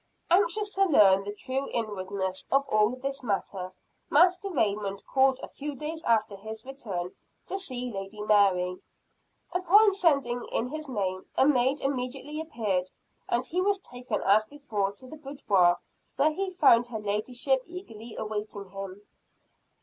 Anxious to learn the true inwardness of all this matter, Master Raymond called a few days after his return to see Lady Mary. Upon sending in his name, a maid immediately appeared, and he was taken as before to the boudoir where he found her ladyship eagerly awaiting him.